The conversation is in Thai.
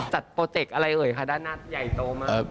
โปรเจกต์อะไรเอ่ยค่ะด้านหน้าใหญ่โตมาก